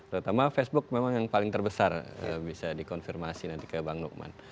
terutama facebook memang yang paling terbesar bisa dikonfirmasi nanti ke bang lukman